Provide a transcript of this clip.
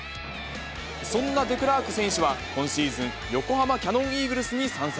そんなデクラーク選手は今シーズン、横浜キヤノンイーグルスに参戦。